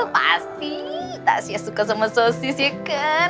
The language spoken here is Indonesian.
pasti tasya suka sama sosis ya kan